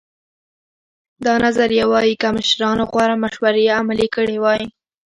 دا نظریه وایي که مشرانو غوره مشورې عملي کړې وای.